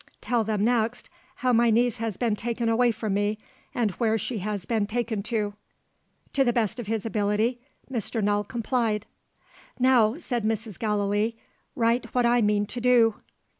"Tell them next, how my niece has been taken away from me, and where she has been taken to." To the best of his ability, Mr. Null complied. "Now," said Mrs. Gallilee, "write what I mean to do!"